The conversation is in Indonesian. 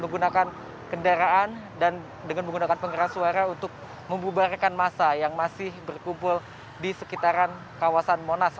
menggunakan kendaraan dan dengan menggunakan pengeras suara untuk membubarkan masa yang masih berkumpul di sekitaran kawasan monas